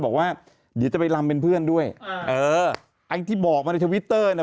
บอกว่าเดี๋ยวจะไปลำเป็นเพื่อนด้วยเออไอ้ที่บอกมาในทวิตเตอร์เนี่ย